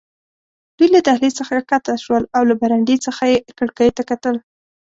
دوی له دهلېز څخه کښته شول او له برنډې څخه یې کړکیو ته کتل.